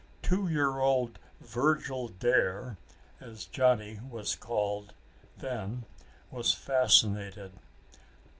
Two year old Virgil Dare, as Johnny was called then, was fascinated.